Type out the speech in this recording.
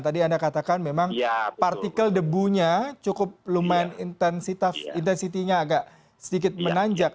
tadi anda katakan memang partikel debunya cukup lumayan intensity nya agak sedikit menanjak